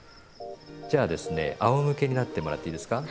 じゃあですねあおむけになってもらっていいですか。